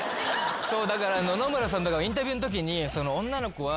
だから野々村さんとかもインタビューのときに女の子は。